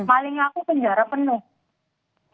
paling aku penjara penuh